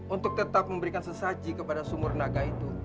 untuk tetap memberikan sesaji kepada sumunaga itu